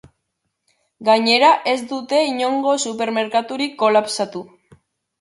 Gainera, ez dute inongo supermerkaturik kolapsatu.